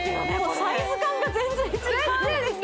サイズ感が全然違うんですよ